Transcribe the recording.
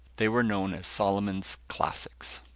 They were known as Solomon's "Classics."